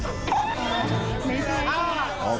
สวัสดีครับคุณผู้ชมครับ